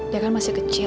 dia kan masih kecil